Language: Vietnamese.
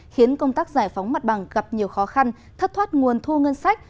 khiến công tác giải phóng mặt bằng gặp nhiều khó khăn thất thoát nguồn thu ngân sách